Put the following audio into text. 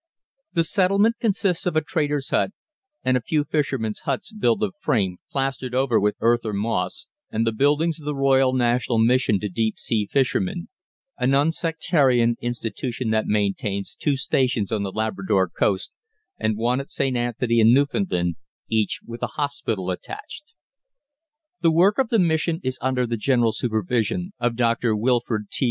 The settlement consists of a trader's hut and a few fishermen's huts built of frame plastered over with earth or moss, and the buildings of the Royal National Mission to Deep Sea Fishermen, a non sectarian institution that maintains two stations on the Labrador coast and one at St. Anthony in Newfoundland, each with a hospital attached. The work of the mission is under the general supervision of Dr. Wilfred T.